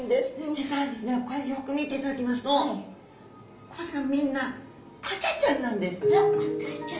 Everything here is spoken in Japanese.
実はですねこれよく見ていただきますとえっ赤ちゃん？